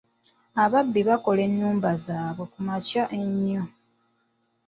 Ababbi bakola ennumba zaabwe kumakya ennyo.